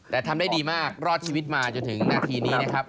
แต่ทำได้ดีมากรอดชีวิตมาจนถึงนาทีนี้นะครับ